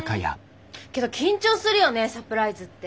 けど緊張するよねサプライズって。